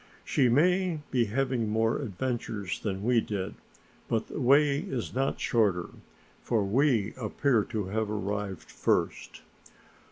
She may be having more adventures than we did, but the way is not shorter, for we appear to have arrived first."